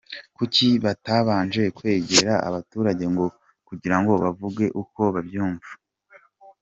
Kuki batabanje kwegera abaturage ngo kugira ngo bavuge uko babyumva?”